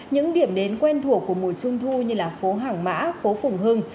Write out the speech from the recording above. những điểm đến quen thuộc của mùa trung thu như phố hàng mã phố phùng hưng